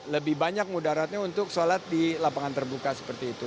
lebih banyak mudaratnya untuk sholat di lapangan terbuka seperti itu